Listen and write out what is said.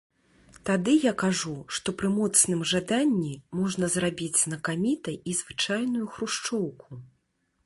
Тады я кажу, што пры моцным жаданні можна зрабіць знакамітай і звычайную хрушчоўку.